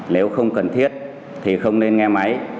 nếu không cần thiết thì không nên nghe máy